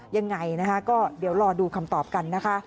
ยังไงนะคะก็เดี๋ยวรอดูคำตอบกันนะคะ